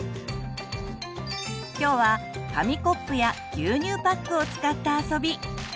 今日は紙コップや牛乳パックを使った遊び。